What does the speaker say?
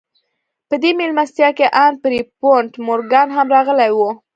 په دې مېلمستيا کې ان پيرپونټ مورګان هم راغلی و.